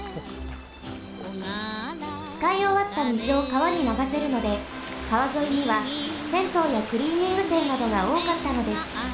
つかいおわったみずを川にながせるので川ぞいにはせんとうやクリーニングてんなどがおおかったのです。